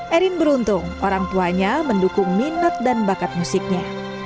erin beruntung orang tuanya mendukung minat dan bakat musiknya